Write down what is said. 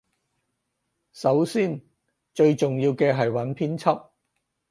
首先最重要嘅係揾編輯